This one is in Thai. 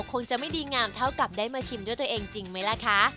คงจะไม่ดีงามเท่ากับได้มาชิมด้วยตัวเองจริงไหมล่ะคะ